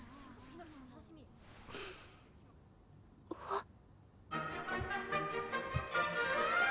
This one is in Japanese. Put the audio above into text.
あっ。